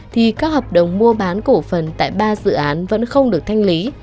thì các hợp đồng mua bán cổ phần tại ba dự án vẫn không được thanh lý